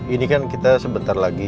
ini kan kita sebentar lagi